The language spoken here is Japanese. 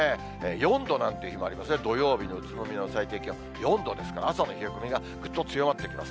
４度なんていう日もありますね、土曜日の宇都宮の最低気温４度ですから、朝の冷え込みがぐっと強まってきます。